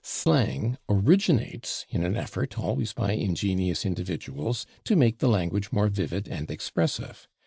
Slang originates in an effort, always by ingenious individuals, to make the language more vivid and expressive.